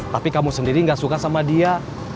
tapi kamu sendiri gak suka sama dia